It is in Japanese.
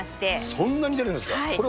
そんなに出るんですか。